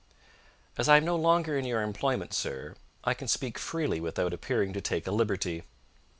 "As I am no longer in your employment, sir, I can speak freely without appearing to take a liberty.